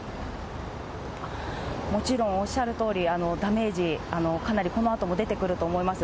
もちろんおっしゃるとおり、ダメージ、かなりこのあとも出てくると思います。